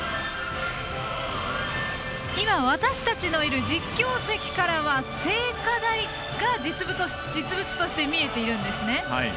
今、私たちのいる実況席からは聖火台が実物として見えています。